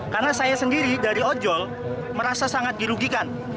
karena saya sendiri dari ojol merasa sangat dirugikan